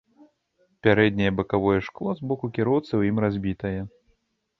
Пярэдняе бакавое шкло з боку кіроўцы ў ім разбітае.